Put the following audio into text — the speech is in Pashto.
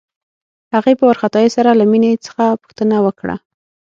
هغې په وارخطايۍ سره له مينې څخه پوښتنه وکړه.